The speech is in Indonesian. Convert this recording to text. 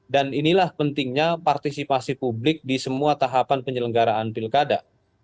dan inilah pentingnya partisipasi publik di semua tahapan penyelenggaraan pilkada